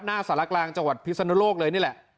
หน้าสารกลางจังหวัดพิศนุโลกเลยนี่แหละ